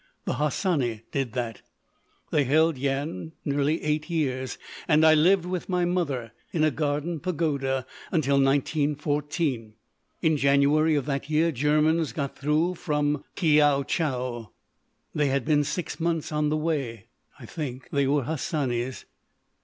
The Hassani did that. They held Yian nearly eight years, and I lived with my mother, in a garden pagoda, until 1914. In January of that year Germans got through from Kiaou Chou. They had been six months on the way. I think they were Hassanis.